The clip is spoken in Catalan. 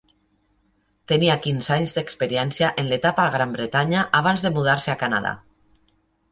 Tenia quinze anys d'experiència en l'etapa a Gran Bretanya abans de mudar-se a Canadà.